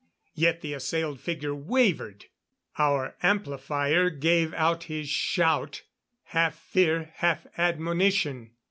Yet the assailed figure wavered! Our amplifier gave out his shout half fear, half admonition.